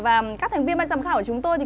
và các thành viên ban giám khảo của chúng tôi